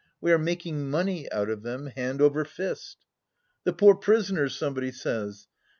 We are making money out of them, hand over fist. The poor prisoners, somebody says